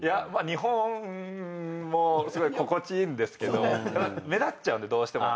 日本もすごい心地いいんですけど目立っちゃうんでどうしても。